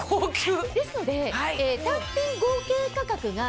ですので。